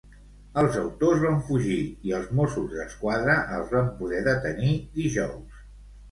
Els autors van fugir i els Mossos d'Esquadra els van poder detenir dijous.